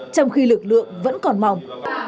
trong khi lực lượng vẫn còn mỏng